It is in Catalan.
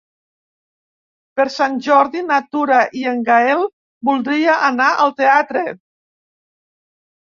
Per Sant Jordi na Tura i en Gaël voldria anar al teatre.